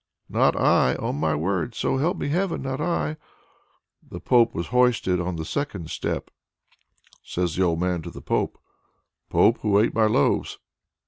"Not I, on my word! So help me Heaven, not I!" The Pope was hoisted on to the second step. Says the old man to the Pope: "Pope! who ate my loaves?"